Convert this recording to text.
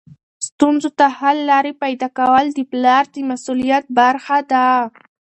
ستونزو ته حل لارې پیدا کول د پلار د مسؤلیت برخه ده.